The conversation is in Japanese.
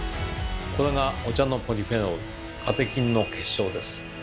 これがお茶のポリフェノールカテキンの結晶です。